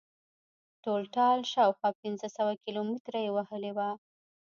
ټولټال شاوخوا پنځه سوه کیلومتره یې وهلې وه.